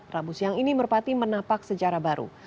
rabu siang ini merpati menapak sejarah baru